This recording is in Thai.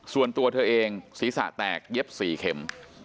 ส่วนตัวเธอเองศีรษะแตกเย็บ๔เข็ม